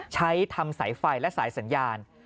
ใช้ทำสายไฟและสายสัญญาณ